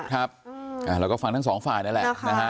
เราก็ฟังทั้งสองฟ่ายนั่นแหละ